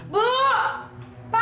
bu pak pak